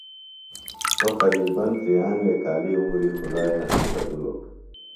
سوۡ قریبن تریانوے کالی عمری خدائی حقی پھیدِلوۡ